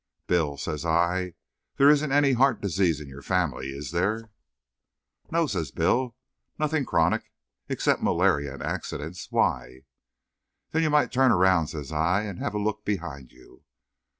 "Bill," says I, "there isn't any heart disease in your family, is there? "No," says Bill, "nothing chronic except malaria and accidents. Why?" "Then you might turn around," says I, "and have a took behind you."